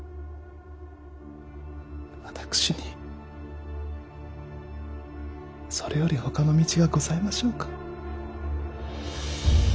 私にそれよりほかの道がございましょうか。